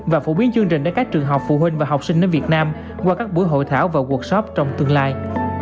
và phổ biến chương trình đến các trường học phụ huynh và học sinh đến việt nam qua các buổi hội thảo và world shop trong tương lai